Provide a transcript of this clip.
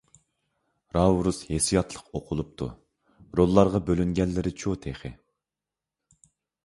راۋرۇس ھېسسىياتلىق ئوقۇلۇپتۇ. روللارغا بۆلۈنگەنلىرىچۇ تېخى!